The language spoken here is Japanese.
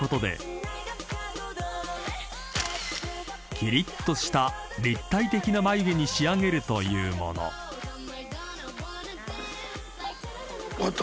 ［きりっとした立体的な眉毛に仕上げるというもの］終わった。